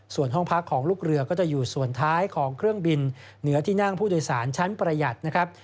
ส่วนห้องพักของลูกเรือก็จะอยู่ส่วนท้ายของเครื่องบินเหนือที่นั่งผู้โดยสารชั้นประหยัดนะครับ